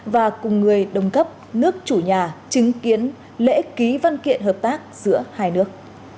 và cùng người đồng cấp nước chủ nhà chứng kiến lễ ký văn kiện hợp tác giữa hai nước